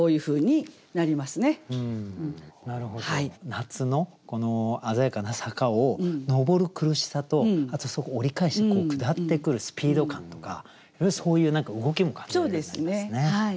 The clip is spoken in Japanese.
夏の鮮やかな坂を上る苦しさとあとそこを折り返して下ってくるスピード感とかよりそういう動きも感じられるようになりますね。